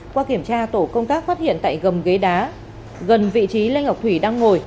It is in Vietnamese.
qua kiểm tra tổ công tác phát hiện tại gầm ghế đá gần vị trí lê ngọc thủy đang ngồi